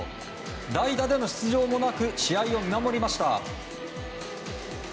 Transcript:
代打での出場もなく試合を見守りました。